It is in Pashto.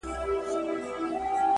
ستا وه څادرته ضروت لرمه”